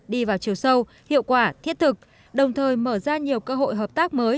đi vào chiều sâu hiệu quả thiết thực đồng thời mở ra nhiều cơ hội hợp tác mới